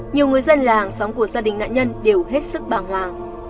nhiều người dân là hàng xóm của gia đình nạn nhân đều hết sức bàng hoàng